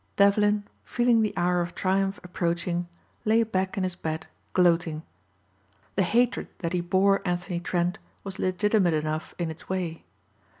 Devlin, feeling the hour of triumph approaching, lay back in his bed gloating. The hatred that he bore Anthony Trent was legitimate enough in its way.